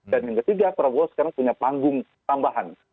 dan yang ketiga prabowo sekarang punya panggung tambahan